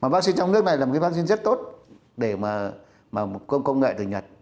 vaccine trong nước này là vaccine rất tốt để công nghệ từ nhật